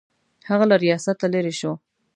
هغه له ریاسته لیرې شو.